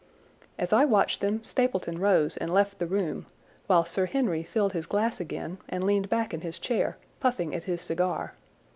As I watched them Stapleton rose and left the room, while Sir Henry filled his glass again and leaned back in his chair, puffing at his cigar.